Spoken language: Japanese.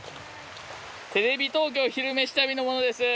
テレビ東京「昼めし旅」の者です。